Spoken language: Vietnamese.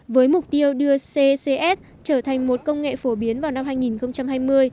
với mục tiêu đưa ccs trở thành một công nghệ phổ biến vào năm hai nghìn hai mươi